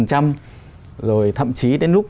rồi thậm chí đến lúc